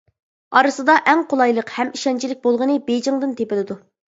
ئارىسىدا ئەڭ قولايلىق ھەم ئىشەنچلىك بولغىنى بېيجىڭدىن تېپىلىدۇ.